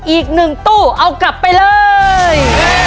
อีก๑ตู้เอากลับไปเลย